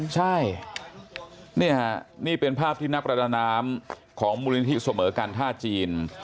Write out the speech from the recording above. ใช่นี่เป็นภาพที่นักประดานามของมูลนิธิส่วมเหมือกันท่าจีน